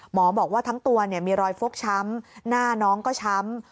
หมอบอกว่าทั้งตัวมีรอยฟกช้ำหน้าน้องก็ช้ำ